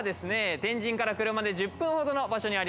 天神から車で１０分ほどの場所にあります